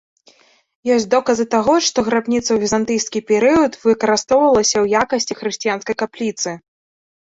Ёсць доказы таго, што грабніца ў візантыйскі перыяд выкарыстоўвалася ў якасці хрысціянскай капліцы.